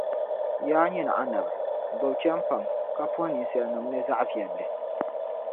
Yaa nyini Annabi! Gbibi chεmpaŋ, ka puhi ninsalinim ni zaɣivεlli.